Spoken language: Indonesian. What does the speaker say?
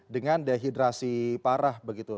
dengan dehidrasi parah begitu